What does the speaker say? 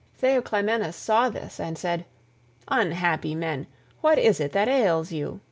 Theoclymenus saw this and said, "Unhappy men, what is it that ails you?